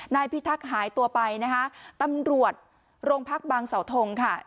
พิทักษ์หายตัวไปนะคะตำรวจโรงพักบางเสาทงค่ะ